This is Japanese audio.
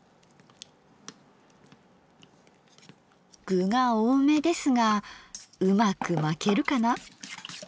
具が多めですがうまく巻けるかな？